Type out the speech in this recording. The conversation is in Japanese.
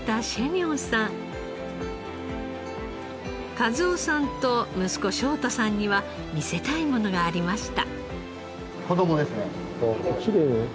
一男さんと息子翔太さんには見せたいものがありました。